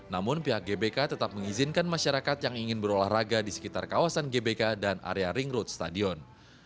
namun pihak gbk tetap mengizinkan masyarakat yang ingin berolahraga di sekitar kawasan gbk dan area ring road stadion